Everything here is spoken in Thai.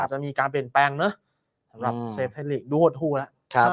จะมีการเปลี่ยนแปลงเนอะสำหรับเซฟไทยลีกดูหดหูแล้ว